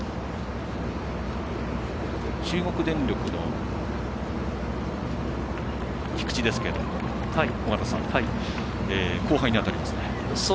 中国電力の菊地ですけれども尾方さん、後輩に当たりますね。